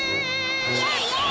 イエイイエイ！